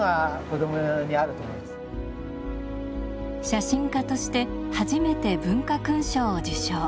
写真家として初めて文化勲章を受章。